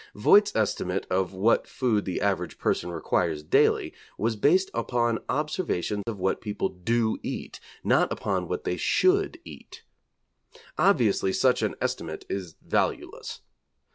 Voit's estimate of what food the average person requires daily was based upon observation of what people do eat, not upon what they should eat. Obviously such an estimate is valueless.